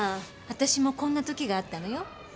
私もこんな時があったのよ。